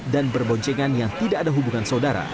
dan berboncengan yang tidak ada hubungan saudara